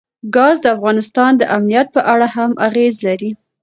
ګاز د افغانستان د امنیت په اړه هم اغېز لري.